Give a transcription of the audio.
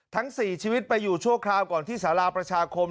ทั้ง๔ชีวิตไปอยู่ชั่วคราวก่อนที่สาราประชาคม